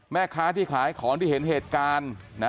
แม่ค้าที่ขายของที่เห็นเหตุการณ์นะ